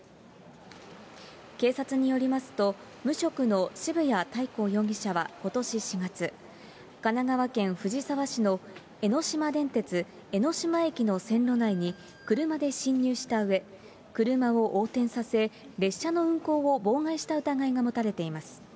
警察によりますと、無職の渋谷たいこう容疑者はことし４月、神奈川県藤沢市の江ノ島電鉄江ノ島駅の線路内に車で進入したうえ、車を横転させ、列車の運行を妨害した疑いが持たれています。